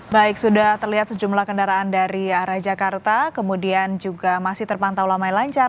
baik sudah terlihat sejumlah kendaraan dari arah jakarta kemudian juga masih terpantau lama lancar